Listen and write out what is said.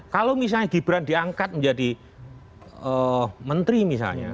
kalau misalnya gibran diangkat menjadi menteri misalnya